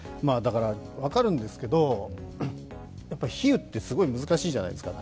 分かるんですけど、比喩ってすごい難しいじゃないですか。